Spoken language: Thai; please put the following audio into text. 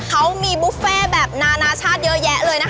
เขามีบุฟเฟ่แบบนานาชาติเยอะแยะเลยนะคะ